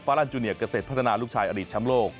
ฟารั่นด์จูเนียร์เกษตรพัฒนาลูกชายอดีตช้ำโลก